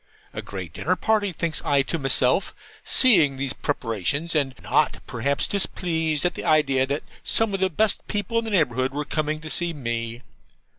'A great dinner party,' thinks I to myself, seeing these preparations (and not, perhaps, displeased at the idea that some of the best people in the neighbourhood were coming to see me).